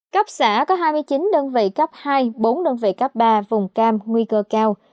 cấp xã có hai mươi chín đơn vị cấp hai bốn đơn vị cấp ba vùng cam nguy cơ cao